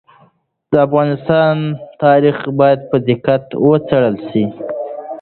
د افغانستان تاریخ باید په دقت وڅېړل سي.